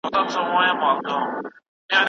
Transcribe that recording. د ځان پل به یې موندلی وي که نه وي؟